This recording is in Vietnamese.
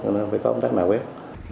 nên nó phải có công tác nạ quét